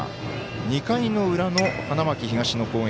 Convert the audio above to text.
２回の裏の花巻東の攻撃。